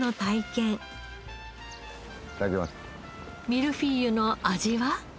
ミルフィーユの味は？